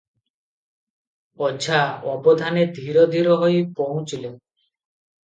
ଓଝା ଅବଧାନେ ଧୀର ଧୀର ହୋଇ ପହୁଞ୍ଚିଲେ ।